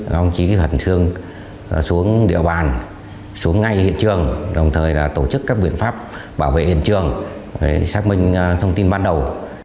đồng chí hận trương xuống địa bàn xuống ngay hiện trường đồng thời tổ chức các biện pháp bảo vệ hiện trường xác minh thông tin ban đầu